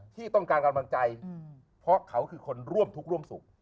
ที่ต้องการกำลังใจเพราะเขาคือคนร่วมทุกข์ร่วมสุข